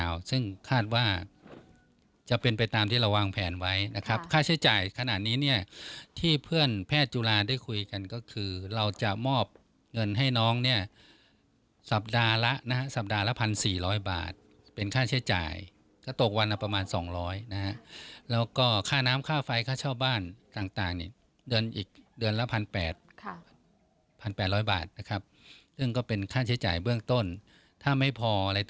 วดว่าจะเป็นไปตามที่เราวางแผนไว้นะครับค่าใช้จ่ายขนาดนี้เนี่ยที่เพื่อนแพทย์จุฬาได้คุยกันก็คือเราจะมอบเงินให้น้องเนี่ยสัปดาห์ละนะฮะสัปดาห์ละพันสี่ร้อยบาทเป็นค่าใช้จ่ายก็ตกวันประมาณสองร้อยนะฮะแล้วก็ค่าน้ำค่าไฟค่าเช่าบ้านต่างนี่เดือนอีกเดือนละพันแปดค่ะพันแปดร้อยบาทนะครั